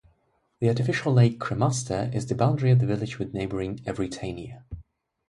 The artificial lake Kremasta is the boundary of the village with neighbouring Evrytania.